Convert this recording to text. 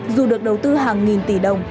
dù được đầu tư hàng nghìn tỷ đồng